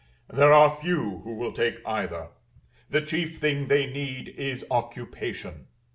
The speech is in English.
There are few who will take either: the chief thing they need is occupation.